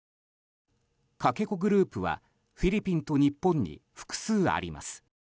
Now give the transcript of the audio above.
かけ子グループはフィリピンと日本に複数あります。